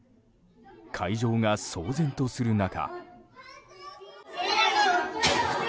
会場が騒然とする中。